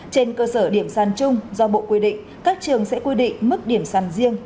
trên cơ sở điểm sản chung do bộ quy định các trường sẽ quy định mức điểm sản riêng